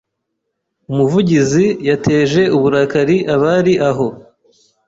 Umuvugizi yateje uburakari abari aho.